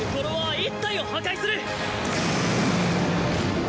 １体を破壊する。